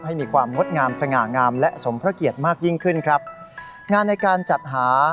มีความงดงามสง่างามและสมพระเกียรติมากยิ่งขึ้นครับงานในการจัดหา